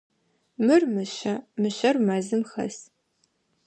Мыр мышъэ, мышъэр мэзым хэс.